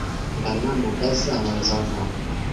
Ngana Mugaza wa nzovu